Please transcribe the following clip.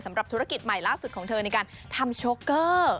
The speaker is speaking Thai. สำหรับธุรกิจใหม่ของเธอในการทำช็อกเกอร์